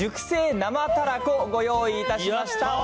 生たらこ、ご用意いたしました。